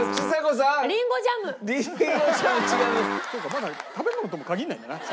まだ食べ物とも限らないんだな。